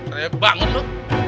rebak banget lu